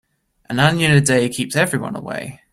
An onion a day keeps everyone away.